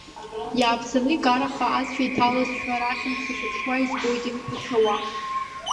Иааԥсаны икараха ацәа иҭалазшәа, арахьынтәи сахьыԥшуа, избоит имқәацауа.